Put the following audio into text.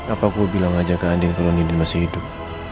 apa gua bilang aja ke andien kalo nindi masih hidup